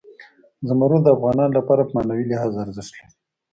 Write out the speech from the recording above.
زمرد د افغانانو لپاره په معنوي لحاظ ارزښت لري.